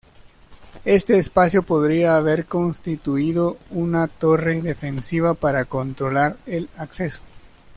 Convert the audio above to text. Este espacio podría haber constituido una torre defensiva para controlar el acceso.